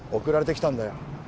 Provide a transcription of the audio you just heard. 送られてきたんだよ